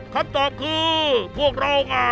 คำตอบคือพวกเราค่ะ